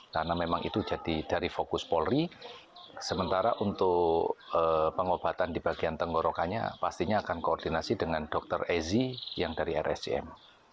karena memang itu jadi dari fokus polri sementara untuk pengobatan di bagian tenggorokannya pastinya akan koordinasi dengan dokter ezi yang dari rsjm